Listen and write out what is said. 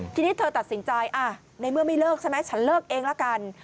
ทีนี้เธอตัดสินใจในเมื่อไม่เลิกใช่ไหมฉันเลิกเองละกัน